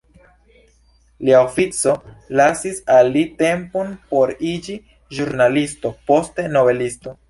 Lia ofico lasis al li tempon por iĝi ĵurnalisto poste novelisto.